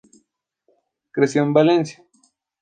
Creció en Valencia.